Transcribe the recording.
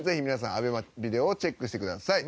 ＡＢＥＭＡをチェックしてください。